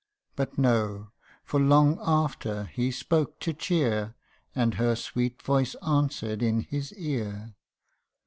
But no for long after he spoke to cheer, And her sweet voice answer'd in his ear.